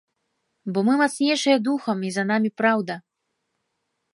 Бо мы мацнейшыя духам і за намі праўда.